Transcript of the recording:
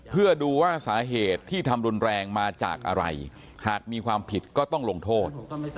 เพื่อดูว่าสาเหตุที่ทำรุนแรงมาจากอะไรหากมีความผิดก็ต้องลงโทษ